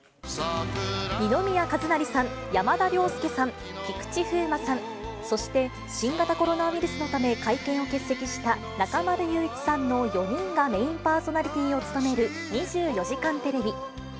二宮和也さん、山田涼介さん、菊池風磨さん、そして新型コロナウイルスのため、会見を欠席した中丸雄一さんの４人がメインパーソナリティーを務める２４時間テレビ。